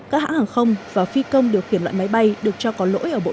các hãng hàng không và phi công điều khiển loại máy bay được cho có lỗi